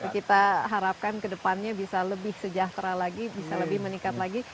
kita harapkan kedepannya bisa lebih sejahtera lagi bisa lebih meningkat lagi